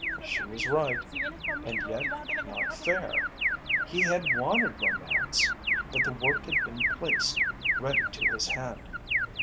She was right, and yet, not fair. He had wanted romance, but the work had been placed ready to his hand.